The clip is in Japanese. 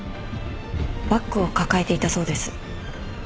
バッグを抱えていたそうです。